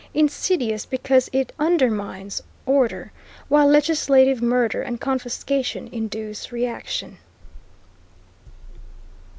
Insidious because it undermines, order, while legislative murder and confiscation induce reaction.